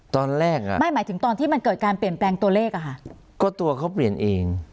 ตอนแรกอ่ะไม่หมายถึงตอนที่มันเกิดการเปลี่ยนแปลงตัวเลขอ่ะค่ะก็ตัวเขาเปลี่ยนเอง